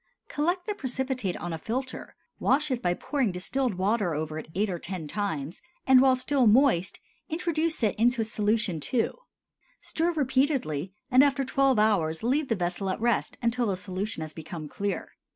Collect the precipitate on a filter, wash it by pouring distilled water over it eight or ten times, and while still moist introduce it into solution II. Stir repeatedly, and after twelve hours leave the vessel at rest until the solution has become clear.